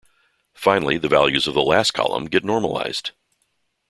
Finally, the values of the last column get normalized.